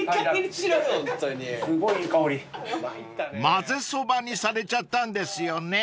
［まぜそばにされちゃったんですよね］